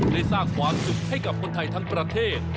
ได้สร้างความสุขให้กับคนไทยทั้งประเทศ